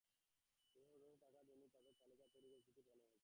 যেসব সদস্য টাকা দেননি, তাঁদের তালিকা তৈরি করে চিঠি পাঠানো হচ্ছে।